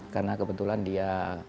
karena kebetulan dia